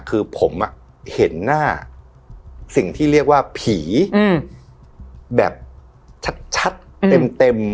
คือผมอ่ะเห็นหน้าสิ่งที่เรียกว่าผีอืมแบบชัดชัดเต็มเต็ม